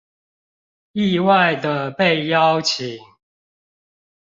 意外的被邀請